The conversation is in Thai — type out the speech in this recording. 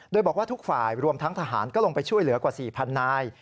โดยบอกว่าทุกฝ่ายรวมทั้งทหารก็ลงไปช่วยเหลือกว่า๔๐๐นาย